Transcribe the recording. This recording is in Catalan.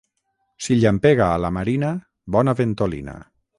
Si llampega a la marina, bona ventolina.